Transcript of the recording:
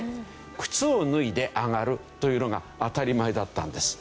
靴を脱いで上がるというのが当たり前だったんです。